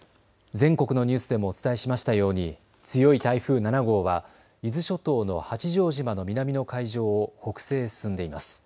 全国のニュースでもお伝えしましたように強い台風７号は伊豆諸島の八丈島の南の海上を北西へ進んでいます。